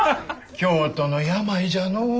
京都の病じゃのう。